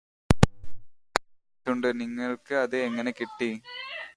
mark ചെയ്തിട്ടുണ്ട് നിങ്ങള്ക്ക് അത് എങ്ങനെ കിട്ടി